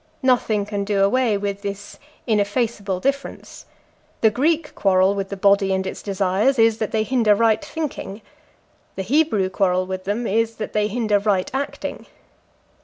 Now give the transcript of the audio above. Nothing can do away with this ineffaceable difference; the Greek quarrel with the body and its desires is, that they hinder right thinking, the Hebrew quarrel with them is, that they hinder right acting.